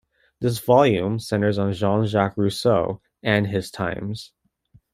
This volume centers on Jean-Jacques Rousseau and his times.